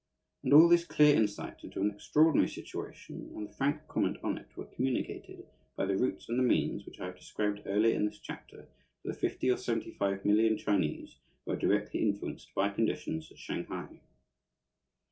And all this clear insight into an extraordinary situation and the frank comment on it were communicated, by the routes and the means which I have described earlier in this chapter, to the fifty or seventy five million Chinese who are directly influenced by conditions at Shanghai.